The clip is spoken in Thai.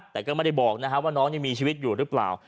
แต่ก็ไม่ได้บอกว่าน้องยังมีชีวิตอยู่หรือเปล่า